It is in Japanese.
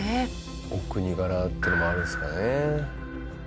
お国柄っていうのもあるんですかね。